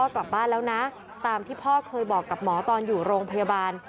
กลับบ้านแล้วนะตามที่พ่อเคยบอกกับหมอตอนอยู่โรงพยาบาล